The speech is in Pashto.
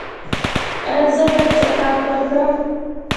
ایا زه باید زکات ورکړم؟